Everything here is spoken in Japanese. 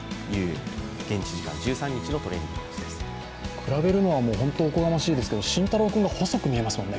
比べるのはおこがましいですが慎太郎君が細く見えますもんね。